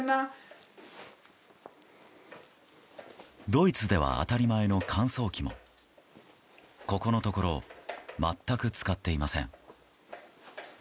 ドイツでは当たり前の乾燥機もここのところ全く使っていません。